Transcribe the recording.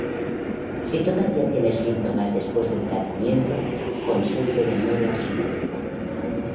Si todavía tiene síntomas después del tratamiento, consulte de nuevo a su médico.•